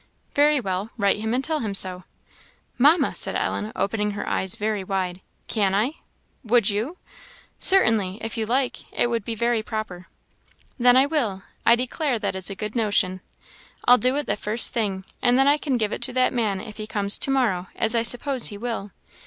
"Very well; write him and tell him so." "Mamma!" said Ellen, opening her eyes very wide "can I? would you?" "Certainly if you like. It would be very proper." "Then I will! I declare that is a good notion. I'll do it the first thing, and then I can give it to that man if he comes to morrow, as I suppose he will.